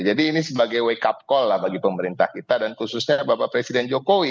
jadi ini sebagai wake up call lah bagi pemerintah kita dan khususnya bapak presiden jokowi